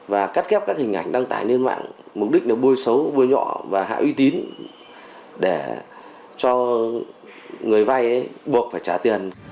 và cắt kép các hình ảnh đăng tải lên mạng mục đích bôi xấu bôi nhọ và hạ uy tín để cho người vai buộc phải trả tiền